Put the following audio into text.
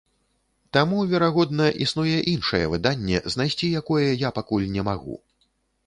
Таму, верагодна, існуе іншае выданне, знайсці якое я пакуль не магу.